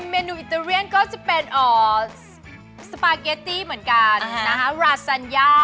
เมนูอิตาเลียนก็จะเป็นสปาเกตตี้เหมือนกันราซัญญา